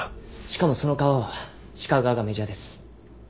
しかもその革は鹿革がメジャーです。